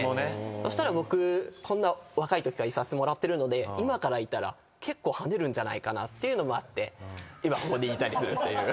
そしたら僕こんな若いときからいさせてもらってるので今からいたら結構はねるんじゃないかなっていうのもあって今ここにいたりするという。